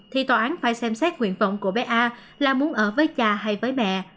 thì tòa án phải xem xét nguyện vọng của bé a là muốn ở với cha hay với mẹ